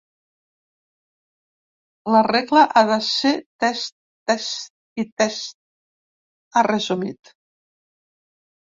La regla ha de ser test, test i test, ha resumit.